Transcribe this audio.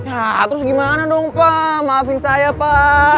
nah terus gimana dong pak maafin saya pak